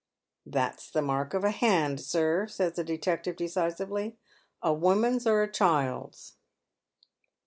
" That's the mai'k of a hand, sir," says the detective decisively, " a woman's or a child's."